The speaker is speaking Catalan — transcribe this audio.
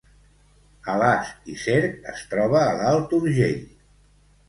Alàs i Cerc es troba l’Alt Urgell